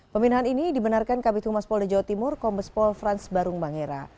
pemindahan ini dibenarkan kabit humas polda jawa timur kombespol frans barung mangera